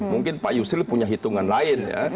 mungkin pak yusril punya hitungan lain ya